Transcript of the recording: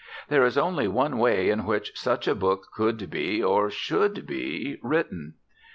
There is only one way in which such a book could be, or should be written.